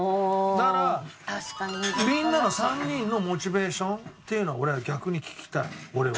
だからみんなの３人のモチベーションっていうのは逆に聞きたい俺は。